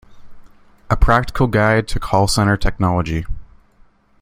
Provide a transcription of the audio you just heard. A Practical Guide to Call Center Technology.